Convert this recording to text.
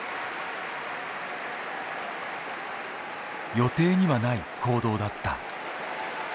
予定にはない行動だった。